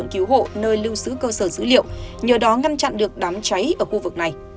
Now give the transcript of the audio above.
nhờ đó ngăn chặn được đám cháy ở khu vực này